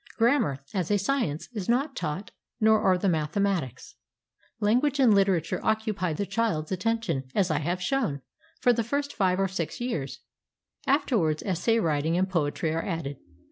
Grammar, as a science, is not taught, nor are the mathematics. Language and literature occupy the child's attention, as I have shown, for the first five or six years; afterwards essay writing and poetry are added.